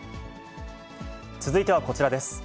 続いてはこちらです。